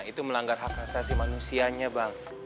itu melanggar hak asasi manusianya bang